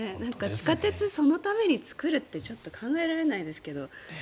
地下鉄、そのために作るってちょっと考えられないですけど。